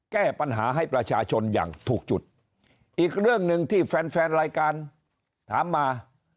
แก้ปัญหาให้ประชาชนอย่างถูกจุดอีกเรื่องหนึ่งที่แฟนแฟนรายการถามมา